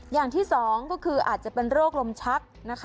อย่างที่สองก็คืออาจจะเป็นโรคลมชักนะคะ